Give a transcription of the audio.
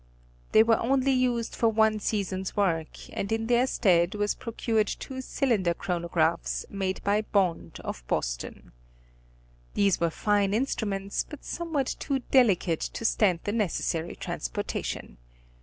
They were only used for one season's work, and in their stead were procured two cylinder chronographs, made by Bond of Boston. These were fine instruments, but somewhat too delicate to stand the necessary transportation.